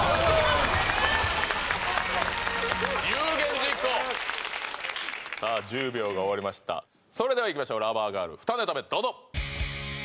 有言実行さあ１０秒が終わりましたそれではいきましょうラバーガール２ネタ目どうぞ！